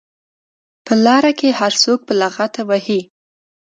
په لار کې هر څوک په لغته وهي.